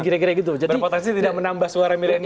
berpotensi tidak menambah suara milenialnya